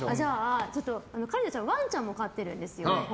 桂里奈ちゃん、ワンちゃんもおうちで飼ってるんですよね。